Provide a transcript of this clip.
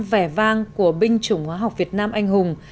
vẻ vang của binh chủng hóa học việt nam anh hùng